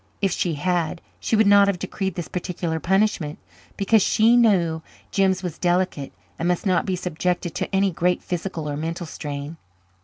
If she had she would not have decreed this particular punishment, because she knew Jims was delicate and must not be subjected to any great physical or mental strain.